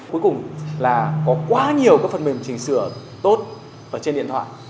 cuối cùng là có quá nhiều cái phần mềm chỉnh sửa tốt ở trên điện thoại